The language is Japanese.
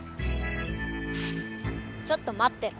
ちょっと待ってろ。